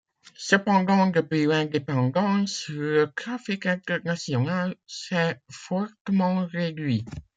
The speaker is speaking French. Cependant, depuis l'indépendance, le trafic international s'est fortement réduit.